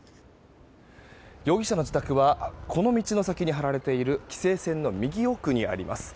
容疑者の自宅はこの道の先に張られている規制線の右奥にあります。